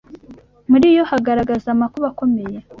Muri yo hagaragaza amakuba akomeye